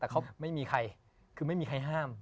แต่เขาไม่มีใครคือไม่มีใครห้าม